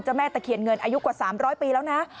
แม่ตะเคียนเงินอายุกว่า๓๐๐ปีแล้วนะ